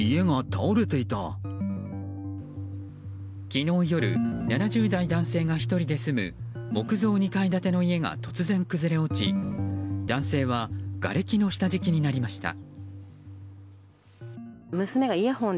昨日夜７０代の男性が１人で住む木造２階建ての家が突然崩れ落ち男性はがれきの下敷きになりました。